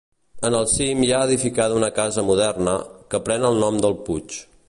En el cim hi ha edificada una casa moderna, que pren el nom del puig.